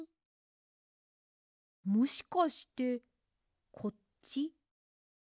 もしかしてこっち？